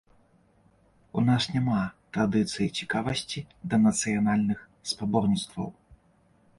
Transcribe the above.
У нас няма традыцыі цікавасці да нацыянальных спаборніцтваў.